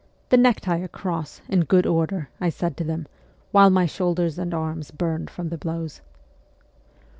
' The necktie across, in good order,' I said to them, while my shoulders and arms burned from the blows.